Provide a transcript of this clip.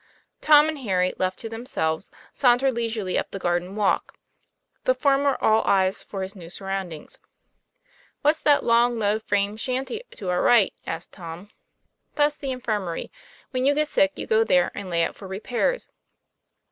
Tom and Harry, left to themselves, sauntered lei surely up the garden walk, the former all eyes for his new surroundings. " What's that long, low, frame shanty to our right ?" asked Tom. " That's the infirmary; when you get sick you go there and lay up for repairs."